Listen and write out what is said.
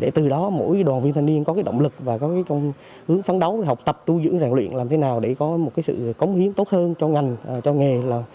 để từ đó mỗi đoàn viên thanh niên có động lực và hướng phấn đấu học tập tu dưỡng ràng luyện làm thế nào để có một sự cống hiến tốt hơn cho ngành cho nghề